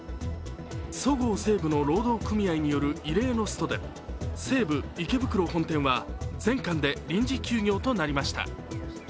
そごう・西武の労働組合による異例のストで西武池袋本店は全館で臨時休業となりました。